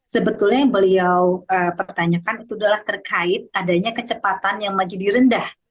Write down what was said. sebetulnya yang beliau pertanyakan itu adalah terkait adanya kecepatan yang menjadi rendah